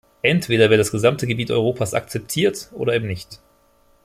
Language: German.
Entweder wird das gesamte Gebiet Europas akzeptiert oder eben nicht.